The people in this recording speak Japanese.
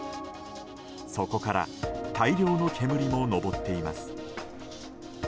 そこから大量の煙も上っています。